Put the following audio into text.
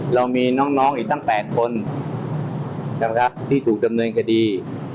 เรามีน้องอีกตั้ง๘คนที่ถูกจำนวนกดี